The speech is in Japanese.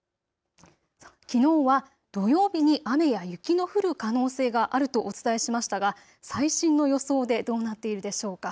きのうは土曜日に雨や雪の降る可能性があるとお伝えしましたが最新の予想でどうなっているでしょうか。